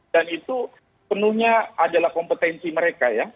dan itu penuhnya adalah kompetensi mereka ya